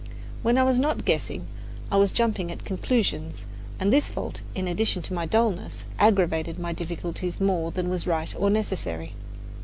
When I was not guessing, I was jumping at conclusions, and this fault, in addition to my dullness, aggravated my difficulties more than was right or necessary.